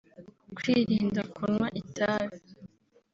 Kwirinda kunywa itabi